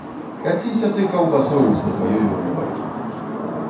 Каціся ты каўбасою са сваёю рыбаю!